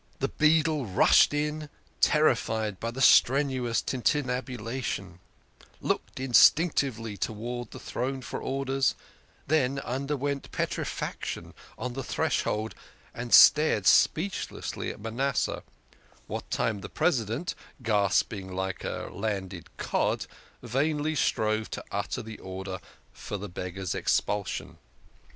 The beadle rushed in, terrified by the strenuous tintinnabulation, looked instinctively towards the throne for orders, then under went petrifaction on the threshold, and stared speechless at Manasseh, what time the President, gasping like a landed HE DASHED TO THE BELL.' 126 THE KING OF SCHNORRERS. cod, vainly strove to utter the order for the beggar's expul sion.